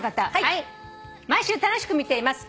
「毎週楽しく見ています。